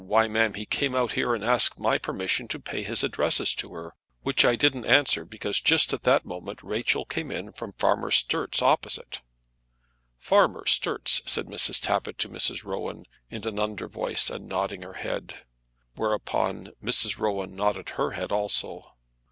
Why, ma'am, he came out here and asked my permission to pay his addresses to her, which I didn't answer because just at that moment Rachel came in from Farmer Sturt's opposite " "Farmer Sturt's!" said Mrs. Tappitt to Mrs. Rowan, in an under voice and nodding her head. Whereupon Mrs. Rowan nodded her head also.